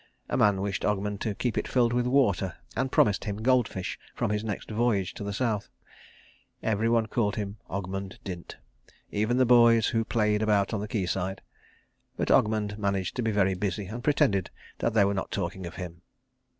A man wished Ogmund to keep it filled with water, and promised him goldfish from his next voyage to the South. Every one called him Ogmund Dint, even the boys who played about on the quayside. But Ogmund managed to be very busy, and pretended that they were not talking of him.